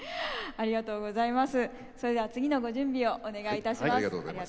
ありがとうございます。